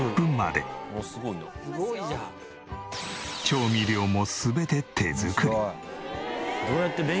調味料も全て手作り。